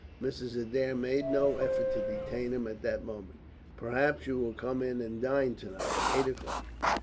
Mrs. Adair made no effort to detain him at that moment. "Perhaps you will come in and dine to night. Eight o'clock."